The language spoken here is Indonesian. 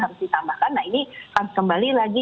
harus ditambahkan nah ini harus kembali lagi